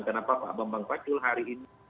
kenapa pak bambang pacul hari ini